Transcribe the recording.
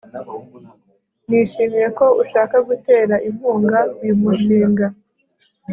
Nishimiye ko ushaka gutera inkunga uyu mushinga